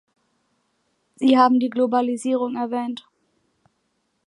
Sie haben die Globalisierung erwähnt.